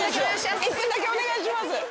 １分だけお願いします。